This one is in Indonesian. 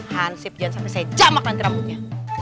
hansip jangan sampai saya jamak nanti rambutnya